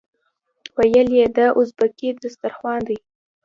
ویل یې دا ازبکي دسترخوان دی.